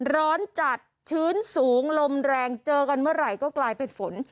ร้อนจัดชื้นสูงลมแรงเจอกันเมื่อไหร่ก็กลายเป็นฝน